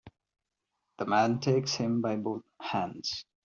The man takes him by both hands.